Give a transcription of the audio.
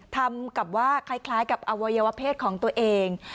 ทำกับว่าคล้ายกับอวัยวะเพศของตัวเอง